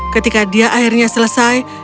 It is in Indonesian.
ketika dia akhirnya selesai